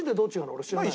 俺知らない。